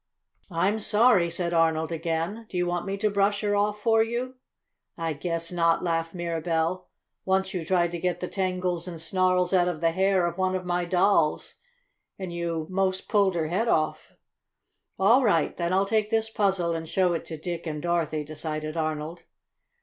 "I'm sorry," said Arnold again. "Do you want me to brush her off for you?" "I guess not!" laughed Mirabell. "Once you tried to get the tangles and snarls out of the hair of one of my dolls, and you 'most pulled her head off." "All right. Then I'll take this puzzle and show it to Dick and Dorothy," decided Arnold.